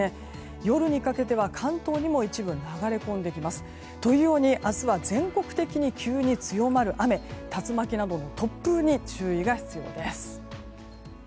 夜にかけては関東にも一部流れ込んできます。というように明日は全国的に急に強まる雨竜巻などの突風に注意が必要です。